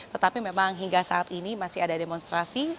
tetapi memang hingga saat ini masih ada demonstrasi